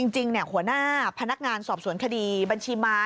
หัวหน้าพนักงานสอบสวนคดีบัญชีม้า